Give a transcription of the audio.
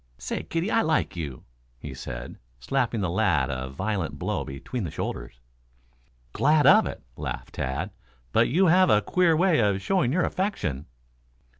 "Say, kiddie, I like you," he said, slapping the lad a violent blow between the shoulders. "Glad of it," laughed Tad. "But you have a queer way of showing your affection."